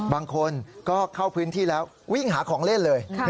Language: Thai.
บางคนก็เข้าพื้นที่แล้ววิ่งหาของเล่นเลย